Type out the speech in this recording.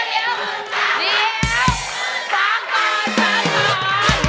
เดี๋ยว